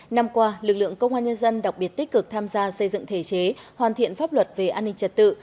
năm qua lực lượng công an nhân dân đặc biệt tích cực tham gia xây dựng thể chế hoàn thiện pháp luật về an ninh trật tự